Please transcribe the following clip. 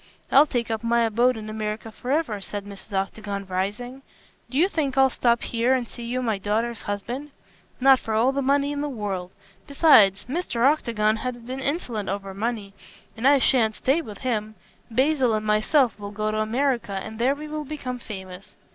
"I'll take up my abode in America forever," said Mrs. Octagon, rising, "do you think I'll stop here and see you my daughter's husband? Not for all the money in the world. Besides, Mr. Octagon has been insolent over money, and I sha'n't stay with him. Basil and myself will go to America and there we will become famous."